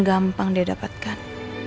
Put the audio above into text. gampang dia dapatkan